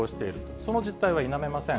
その実態は否めません。